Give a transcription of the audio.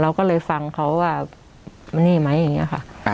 เราก็เลยฟังเขาว่านี่มั้ยยังงี้ค่ะ